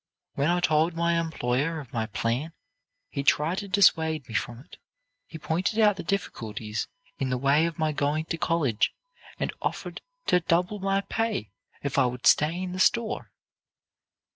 "When I told my employer of my plan, he tried to dissuade me from it. He pointed out the difficulties in the way of my going to college, and offered to double my pay if I would stay in the store.